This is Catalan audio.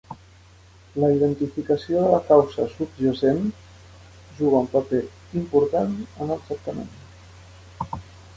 La identificació de la causa subjacent juga un paper important en el tractament.